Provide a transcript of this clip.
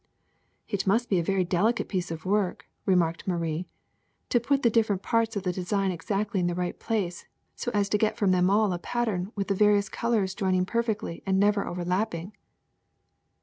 '' It must be a very delicate piece of work," re marked Marie, '^to put the different parts of the de sign exactly in the right place so as to get from them all a pattern ^^'ith the various colors joining perfectly and never overlapping."